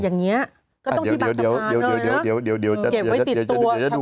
เดี๋ยวเก็บไว้ติดตัว